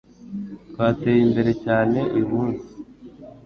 Twateye imbere cyane uyumunsi.